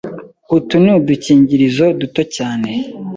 Utu ni udukingirizo duto cyane